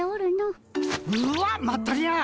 うわっまったり屋。